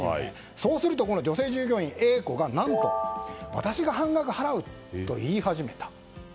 そうすると女性従業員Ａ子が何と私が半額払うと言い始めた。